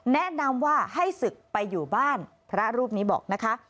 แนะนำว่าให้ศึกไปอยู่บ้านพระรูปนี้บอกนะคะ